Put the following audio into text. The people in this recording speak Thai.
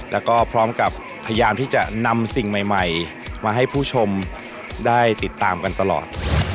แล้วก็พร้อมกับพยายามที่จะนำสิ่งใหม่มาให้ผู้ชมได้ติดตามกันตลอด